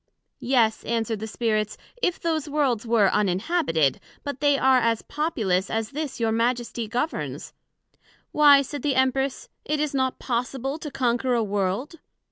Yes, answered the Spirits, if those Worlds were uninhabited; but they are as populous as this your Majesty governs. Why, said the Empress, it is not possible to conquer a World.